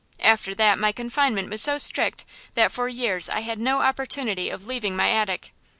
After that my confinement was so strict that for years I had no opportunity of leaving my attic.